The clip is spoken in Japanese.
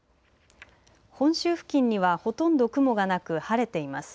本州付近にはほとんど雲がなく晴れています。